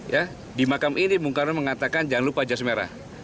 ya di makam ini bung karno mengatakan jangan lupa jas merah